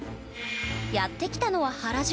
やって来たのは原宿